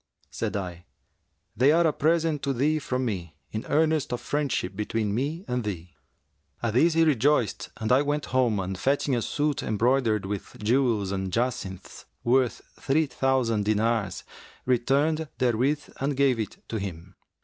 Said I, 'They are a present to thee from me in earnest of friendship between me and thee.' At this he rejoiced and I went home and fetching a suit embroidered with jewels and jacinths, worth three thousand dinars, returned therewith and gave it to him.